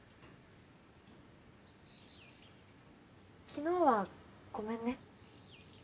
昨日はごめんね